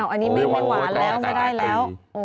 อันนี้ไม่หวานแล้วไม่ได้แล้ว